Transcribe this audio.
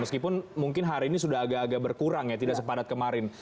meskipun mungkin hari ini sudah agak agak berkurang ya tidak sepadat kemarin